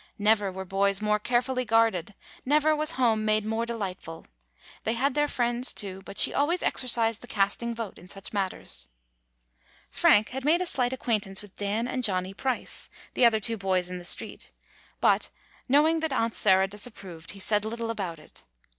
Never were boys more carefully guarded, never was home made more delightful. They had their friends, too, but she always exercised the casting vote in such matters. Frank had made a slight acquaintance with Dan and Johnny Price, the other two boys in the street, but, knowing that Aunt Sarah disapproved, he said little about it.